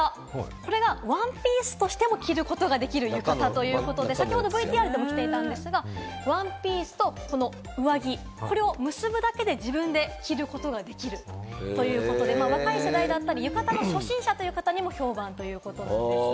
これがワンピースとしても着ることができる浴衣ということで、先ほどＶＴＲでも着ていたんですが、ワンピースと上着、これを結ぶだけで自分で着ることができる。ということで、若い世代だったり、浴衣の初心者という方にも評判ということなんです。